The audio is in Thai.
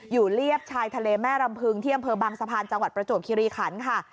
เรียบชายทะเลแม่รำพึงที่อำเภอบางสะพานจังหวัดประจวบคิริขันค่ะ